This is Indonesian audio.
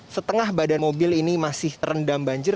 setengah badan mobil ini masih terendam banjir